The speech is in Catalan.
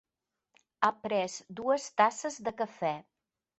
Ha pres dues tasses de cafè.